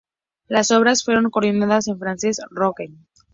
Las obras fueron coordinadas por Francesc Rogent.